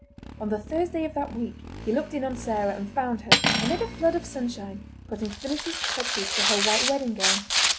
On the Thursday of that week he looked in on Sarah and found her, amid a flood of sunshine, putting finishing touches to her white wedding gown.